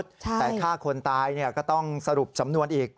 แต่ฆ่าคนตายก็ต้องสรุปสำนวนอีก